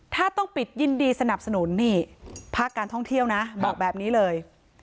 ถ้าต้องปิดยินดีสนับสนุนนี่ภาคการท่องเที่ยวนะบอกแบบนี้เลย